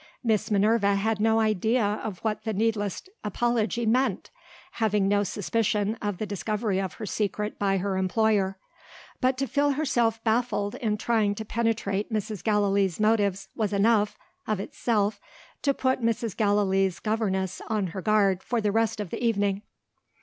Miss Minerva had no idea of what the needless apology meant, having no suspicion of the discovery of her secret by her employer. But to feel herself baffled in trying to penetrate Mrs. Gallilee's motives was enough, of itself, to put Mrs. Gallilee's governess on her guard for the rest of the evening.